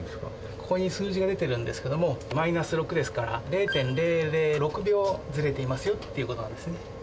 ここに数字が出てるんですけれども、マイナス６ですから、０．００６秒ずれていますよっていうことなんですね。